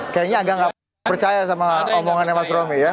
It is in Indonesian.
kayaknya agak nggak percaya sama omongannya mas romy ya